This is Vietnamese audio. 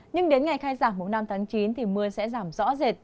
nhưng đến ngày khai giảng mùng năm tháng chín thì mưa sẽ giảm rõ rệt